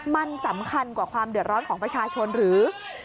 มันสำคัญกว่าความเดือดร้อนของประชาชนหรือ